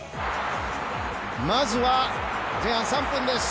まず、前半３分です。